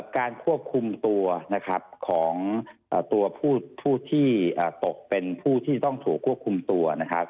การควบคุมตัวของตัวผู้ที่ตกเป็นผู้ที่ต้องถูกควบคุมตัว